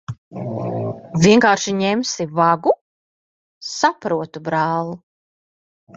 Vienkārši ņemsi vagu? Saprotu, brāl'.